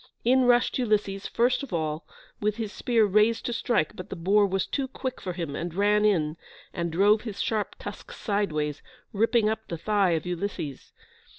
In rushed Ulysses first of all, with his spear raised to strike, but the boar was too quick for him, and ran in, and drove his sharp tusk sideways, ripping up the thigh of Ulysses.